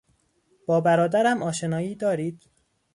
با برادرم آشنایی دارید؟